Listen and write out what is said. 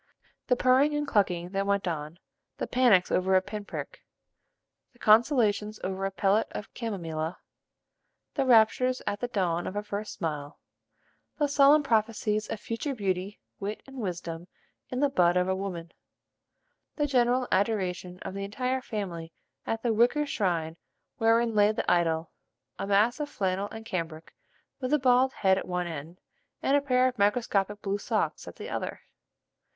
The purring and clucking that went on; the panics over a pin prick; the consultations over a pellet of chamomilla; the raptures at the dawn of a first smile; the solemn prophecies of future beauty, wit, and wisdom in the bud of a woman; the general adoration of the entire family at the wicker shrine wherein lay the idol, a mass of flannel and cambric with a bald head at one end, and a pair of microscopic blue socks at the other.